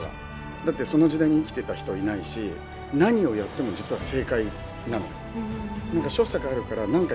だってその時代に生きてた人はいないし何をやっても実は正解なのよ。